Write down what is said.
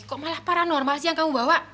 kok malah paranormal sih yang kamu bawa